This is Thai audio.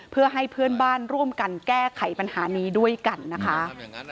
เพื่อให้เพื่อนบ้านร่วมกันแก้ไขปัญหานี้ด้วยกันนะคะ